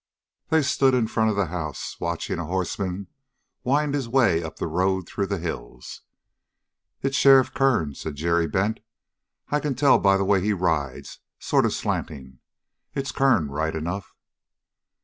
They stood in front of the house, watching a horseman wind his way up the road through the hills. "It's Sheriff Kern," said Jerry Bent. "I can tell by the way he rides, sort of slanting. It's Kern, right enough."